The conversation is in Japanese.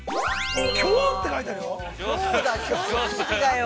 ◆凶って書いてあるよ。